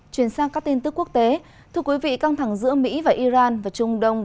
chuyển sang các tin tức quốc tế thưa quý vị căng thẳng giữa mỹ và iran và trung đông